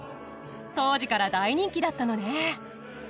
当時から大人気だったのね。